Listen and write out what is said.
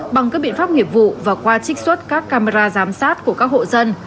bằng các biện pháp nghiệp vụ và qua trích xuất các camera giám sát của các hộ dân